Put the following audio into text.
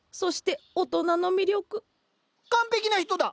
完璧な人だ。